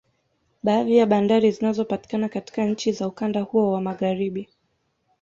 Baadhi ya bandari zinazopatikana katika nchi za ukanda huo wa Magharibi